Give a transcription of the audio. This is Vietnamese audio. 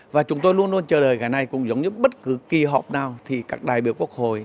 và chúng tôi luôn luôn chờ đợi cái này cũng giống như bất kỳ họp nào thì các đại biểu quốc hội